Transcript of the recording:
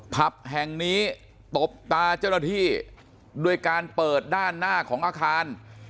ผับแห่งนี้ตบตาเจ้าหน้าที่ด้วยการเปิดด้านหน้าของอาคาร